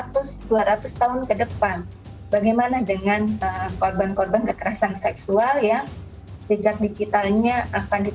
dan hukum harus menjangkau seratus dua ratus tahun ke depan bagaimana dengan korban korban kekerasan seksual yang sejak digitalnya akan dikendalikan